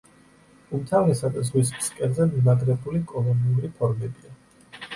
უმთავრესად ზღვის ფსკერზე მიმაგრებული კოლონიური ფორმებია.